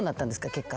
結果。